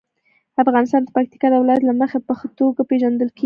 افغانستان د پکتیکا د ولایت له مخې په ښه توګه پېژندل کېږي.